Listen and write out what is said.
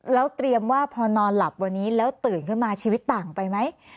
แล้วเตรียมว่าพอนอนหลับวันนี้แล้วตื่นขึ้นมาชีวิตต่างไปไหม